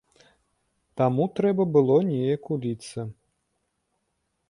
Таму трэба было неяк уліцца.